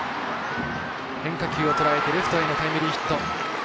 変化球をとらえてレフトへのタイムリーヒット。